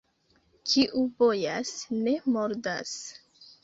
Kiu bojas, ne mordas.